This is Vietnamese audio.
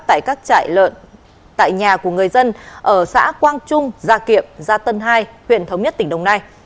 tại các trại lợn tại nhà của người dân ở xã quang trung gia kiệm gia tân hai huyện thống nhất tỉnh đồng nai